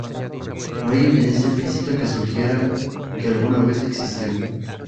No hay evidencia física que sugiera que alguna vez existió.